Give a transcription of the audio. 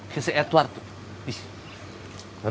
kayak si edward tuh